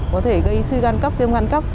có thể gây suy gan cấp tiêm gan cấp